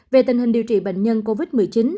về tình hình điều trị bệnh nhân covid một mươi chín